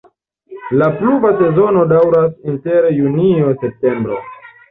La pluva sezono daŭras inter junio-septembro.